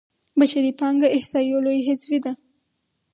بشري پانګه احصایو لویه حذفي ده.